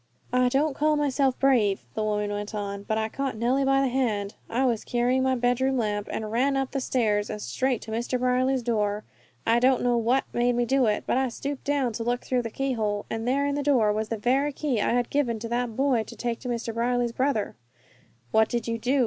"I don't call myself brave," the woman went on, "but I caught Nellie by the hand I was carrying my bedroom lamp and ran up the stairs and straight to Mr. Brierly's door. I don't know what made me do it, but I stooped down to look through the keyhole, and there in the door was the very key I had given to that boy to take to Mr. Brierly's brother." "What did you do?"